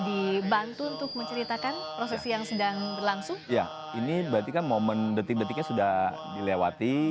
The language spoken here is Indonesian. iya ini berarti kan momen detik detiknya sudah dilewati